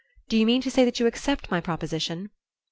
Do you mean to say that you accept my proposition?"